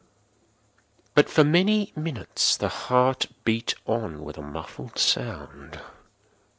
But, for many minutes, the heart beat on with a muffled sound.